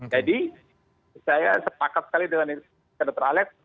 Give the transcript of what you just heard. jadi saya sepakat sekali dengan dokter alex